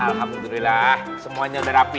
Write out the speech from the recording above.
alhamdulillah semuanya udah rapi